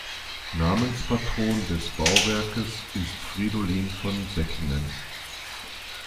Namenspatron des Bauwerkes ist Fridolin von Säckingen.